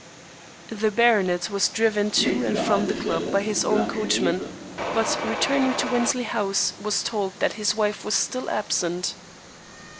The baronet was driven to and from the club by his own coachman, but on returning to Wensley House was told that his wife was still absent.